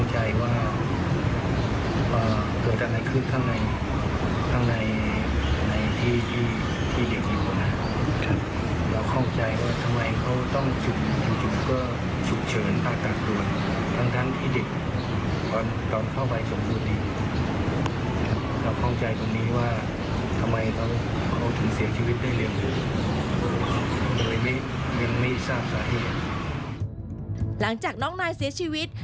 หลังจากน้องนายเสียชีวิต